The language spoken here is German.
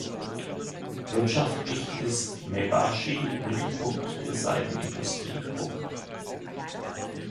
Wirtschaftlich ist Maebashi Mittelpunkt der Seidenindustrie.